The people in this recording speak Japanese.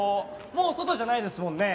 もう外じゃないですもんね？